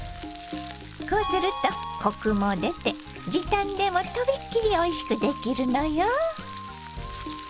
こうするとコクも出て時短でも飛びっ切りおいしくできるのよ。